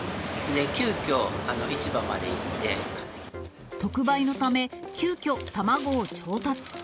急きょ、特売のため、急きょ、卵を調達。